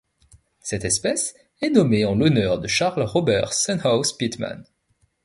Cette espèce est nommée en l'honneur de Charles Robert Senhouse Pitman.